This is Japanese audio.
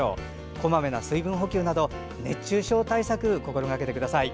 こまめな水分補給など熱中症対策心がけてください。